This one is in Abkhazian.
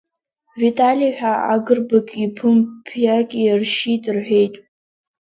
Витали ҳәа Агрбаки Ԥымԥиаки ршьит, рҳәеит.